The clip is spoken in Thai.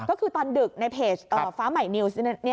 ก็คือตอนดึกในเพจฟ้าใหม่นิวส์เนี่ยนะคะ